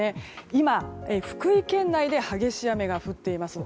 今、福井県内で激しい雨が降ってます。